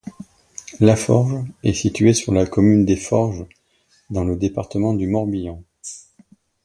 La forge est située sur la commune des Forges, dans le département du Morbihan.